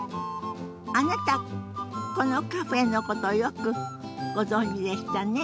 あなたこのカフェのことよくご存じでしたね。